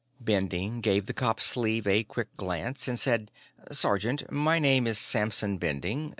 Bending gave the cop's sleeve a quick glance and said: "Sergeant, my name is Samson Bending.